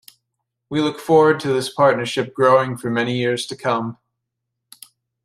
We look forward to this partnership growing for many years to come.